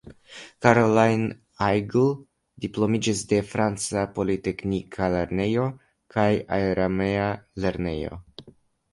Caroline Aigle diplomiĝis de "Franca Politeknika Lernejo" kaj "Aerarmea Lernejo".